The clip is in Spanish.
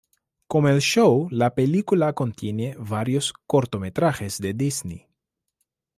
Como el show, la película contiene varios cortometrajes de Disney.